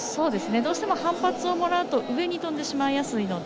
どうしても反発をもらうと上に跳んでしまいやすいので。